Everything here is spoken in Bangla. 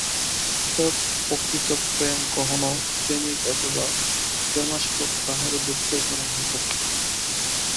অতএব প্রকৃত প্রেম কখনও প্রেমিক অথবা প্রেমাস্পদ কাহারও দুঃখের কারণ হইতে পারে না।